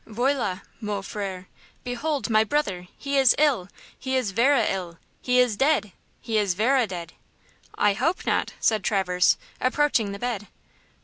Voilà mon frère! Behold my brother! He is ill! He is verra ill! He is dead! He is verra dead!" "I hope not," said Traverse, approaching the bed.